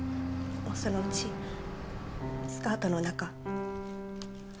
そのうちスカートの中。